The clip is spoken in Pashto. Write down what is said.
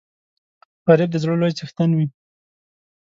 غریب د زړه لوی څښتن وي